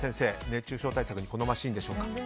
熱中症対策に好ましいんでしょうか。